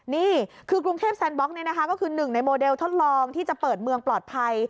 นี่คือกรุงเทพแซนบล็อกนี่นะคะก็คือหนึ่งในโมเดลทดลองที่จะเปิดเมืองปลอดภัย